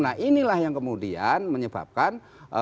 nah inilah yang kemudian menyebabkan